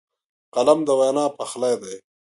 قلم د وینا پخلی دی